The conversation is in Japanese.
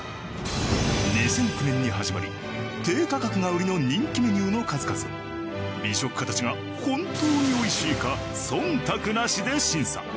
２００９年に始まり低価格が売りの人気メニューの数々を美食家たちが本当に美味しいか忖度なしで審査。